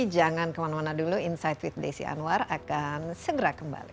jangan kemana mana dulu insight with desi anwar akan segera kembali